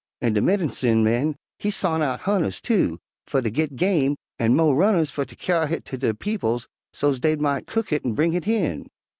An' de medincin' man he sont out hunters, too, fer ter git game, an' mo' runners fer ter kyar' hit ter de people so's't dey mought cook hit an' bring hit in.